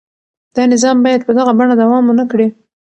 دا نظام باید په دغه بڼه دوام ونه کړي.